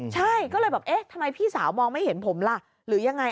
ใช่ก็เลยแบบเอ๊ะทำไมพี่สาวมองไม่เห็นผมล่ะหรือยังไง